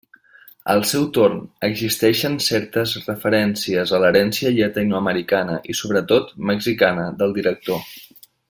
Al seu torn, existeixen certes referències a l'herència llatinoamericana i sobretot mexicana del director.